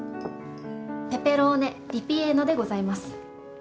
ペペローネリピエーノでございます。